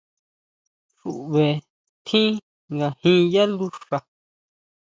Xuʼbe tjín ngajin yá luxa.